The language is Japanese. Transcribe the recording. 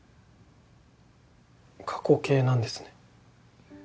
過去形なんですね。